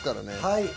はい。